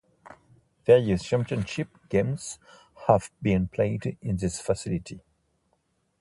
Various championship games have been played in this facility.